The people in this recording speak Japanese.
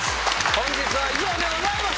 本日は以上でございます。